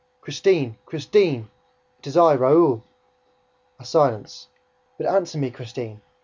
"Christine, Christine, it is I, Raoul!" A silence. "But answer me, Christine!